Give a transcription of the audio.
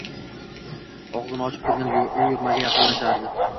Og‘zini ochib turgan uyurmaga yaqinlashardi.